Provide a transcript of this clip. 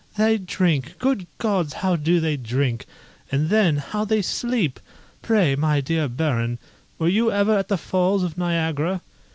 They drink! good gods! how they do drink! and then, how they sleep! Pray, my dear Baron, were you ever at the falls of Niagara?"